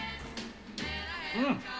うん！